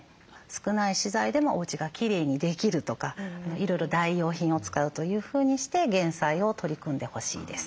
少ない資材でもおうちがきれいにできるとかいろいろ代用品を使うというふうにして減災を取り組んでほしいです。